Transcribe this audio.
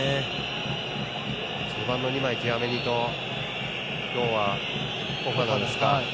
中盤の２枚、チュアメニと今日は、フォファナですか。